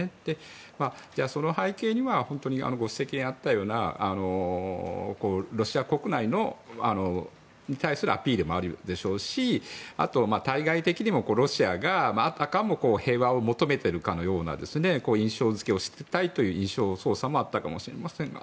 その背景にはご指摘にあったようなロシア国内に対するアピールもあるでしょうしあと、対外的にもロシアがあたかも平和を求めているかのような求めているかのような印象付けをしたいという印象操作もあったかもしれませんが。